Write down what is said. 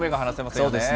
そうですね。